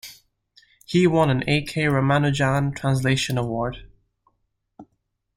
He won an A. K. Ramanujan Translation Award.